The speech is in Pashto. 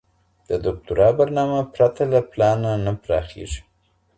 د دوکتورا برنامه پرته له پلانه نه پراخیږي.